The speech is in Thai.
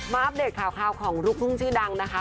อัปเดตข่าวของลูกทุ่งชื่อดังนะคะ